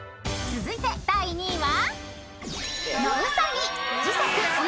［続いて第３位は］